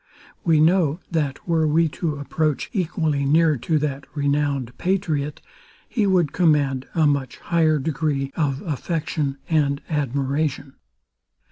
We know, that were we to approach equally near to that renowned patriot, he would command a much higher degree of affection and admiration.